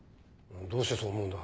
どうしてそう思うんだ？